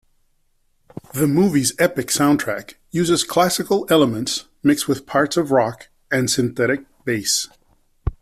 The movie's epic soundtrack uses classical elements mixed with parts of rock and synthetic bass.